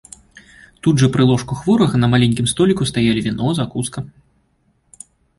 Тут жа пры ложку хворага на маленькім століку стаялі віно, закуска.